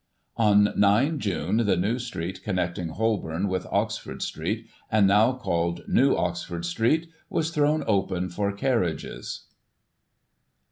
" On 9 June, the new street connecting Holborn with Oxford Street, and now called New Oxford Street, was thrown open for carriages.